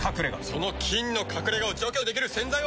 その菌の隠れ家を除去できる洗剤は。